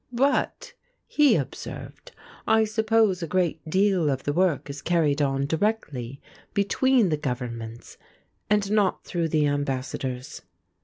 'But,' he observed, 'I suppose a great deal of the work is carried on directly between the Governments and not through the Ambassadors.